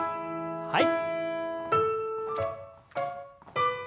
はい。